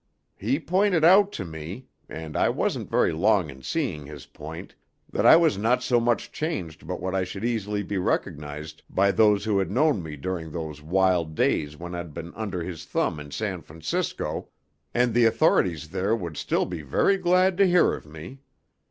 He pointed out to me and I wasn't very long in seeing his point that I was not so much changed but what I should easily be recognised by those who had known me during those wild days when I'd been under his thumb in San Francisco, and the authorities there would still be very glad to hear of me.